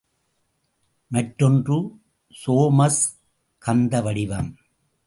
மற்றொன்று சோமாஸ் கந்தவடிவம்.